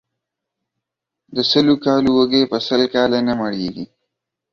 د سلو کالو وږى ، په سل کاله نه مړېږي.